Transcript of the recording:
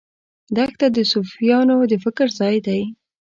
دښته د صوفیانو د فکر ځای دی.